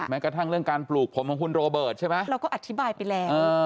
กระทั่งเรื่องการปลูกผมของคุณโรเบิร์ตใช่ไหมเราก็อธิบายไปแล้ว